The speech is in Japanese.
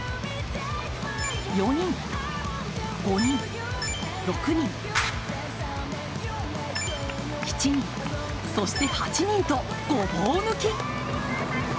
４人、５人、６人７人、そして８人とごぼう抜き。